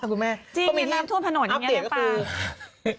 หรอจริงน้ำท่วมถนนอย่างนี้น้ำปลามีเยอะมากครับคุณแม่